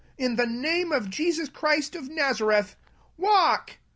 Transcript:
In the name of Jesus Christ of Naza reth, rise and walk."